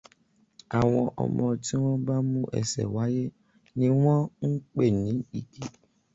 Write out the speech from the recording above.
Àwọn ọmọ tí wọ́n bá mú ẹsẹ̀ wáyé ní wọ́n ń pè ní Ìgè.